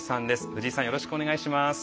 藤井さんよろしくお願いします。